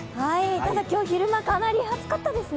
ただ、今日昼間、かなり暑かったですね。